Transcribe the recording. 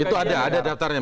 itu ada daftarnya